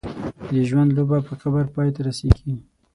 د ژوند لوبه په قبر پای ته رسېږي.